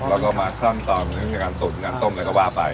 แล้วก็มาซ่อนตอนการตุ๋นการต้มเราก็ว่าไป